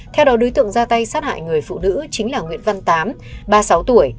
theo đó đối tượng ra tay sát hại người phụ nữ chính là nguyễn văn tám ba mươi sáu tuổi